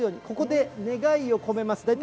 ここで願いを込めます。